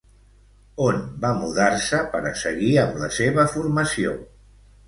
On va mudar-se per a seguir amb la seva formació?